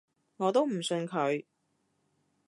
我都唔信佢